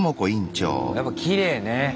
やっぱきれいね。